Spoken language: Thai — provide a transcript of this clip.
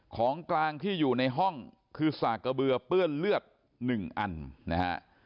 ของกลางที่อยู่ในห้องคือสากกระเบือเปื้อนเลือด๑อันนะฮะ